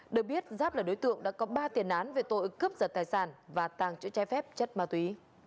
được biết giáp là đối tượng đã có ba tiền án về tội cướp giật tài sản và tàng trữ trái phép chất ma túy